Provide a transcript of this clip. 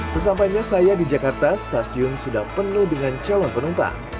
sesampainya saya di jakarta stasiun sudah penuh dengan calon penumpang